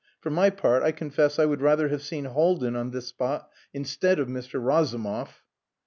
For my part, I confess I would rather have seen Haldin on this spot instead of Mr. Razumov."